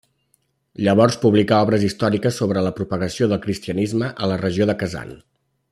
Llavors publicà obres històriques sobre la propagació del cristianisme a la regió de Kazan.